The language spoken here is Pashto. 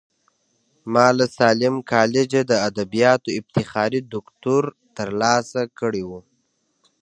ما له ساليم کالجه د ادبياتو افتخاري دوکتورا ترلاسه کړې وه.